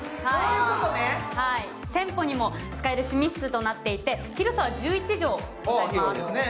店舗にも使える趣味室となっていてい広さは１１畳あります。